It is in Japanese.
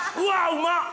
うまっ！